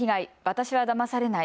私はだまされない。